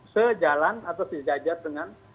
sejalan atau sejajar dengan